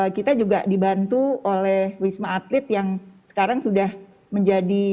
kita juga dibantu oleh wisma atlet yang sekarang sudah menjadi